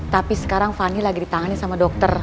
tapi sekarang fanny lagi ditangani sama dokter